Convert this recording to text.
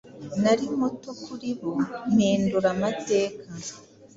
Nari muto kuribo mpindura amateka